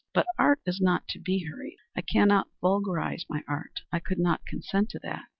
But art is not to be hurried. I cannot vulgarize my art. I could not consent to that."